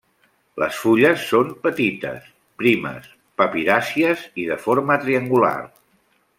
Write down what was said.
Les fulles són petites, primes, papiràcies i de forma triangular.